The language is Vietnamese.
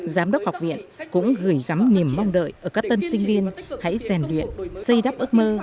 giám đốc học viện cũng gửi gắm niềm mong đợi ở các tân sinh viên hãy rèn luyện xây đắp ước mơ